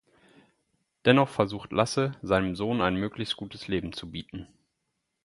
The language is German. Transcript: Dennoch versucht Lasse, seinem Sohn ein möglichst gutes Leben zu bieten.